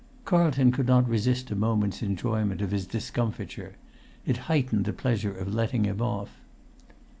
Carlton could not resist a moment's enjoyment of his discomfiture: it heightened the pleasure of letting him off.